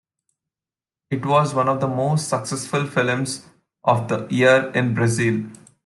It was one of the most successful films of the year in Brazil.